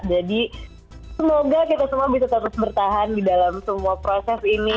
jadi semoga kita semua bisa terus bertahan di dalam semua proses ini